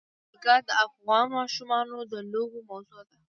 جلګه د افغان ماشومانو د لوبو موضوع ده.